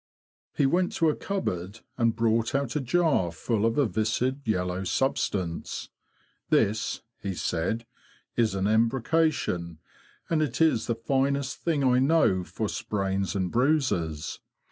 He went to a cupboard, and brought out a jar full of a viscid yellow substance. " This,'' he said, '' is an embrocation, and it is the finest thing I know for sprains and bruises.